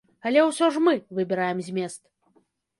Але ўсё ж мы выбіраем змест.